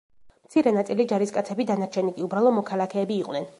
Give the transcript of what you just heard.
მცირე ნაწილი ჯარისკაცები, დანარჩენი კი უბრალო მოქალაქეები იყვნენ.